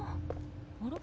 あれ？